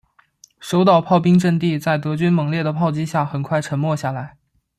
守岛炮兵阵地在德军猛烈的炮击下很快沉默下来。